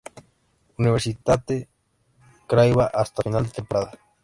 Universitatea Craiova hasta final de temporada.